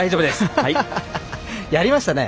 やりましたね。